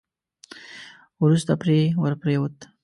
وروسته پرې ور پرېووت.